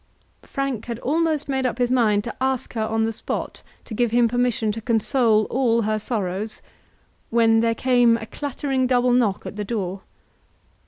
Frank had almost made up his mind to ask her on the spot to give him permission to console all her sorrows, when there came a clattering double knock at the door.